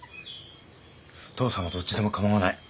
父さんはどっちでも構わない。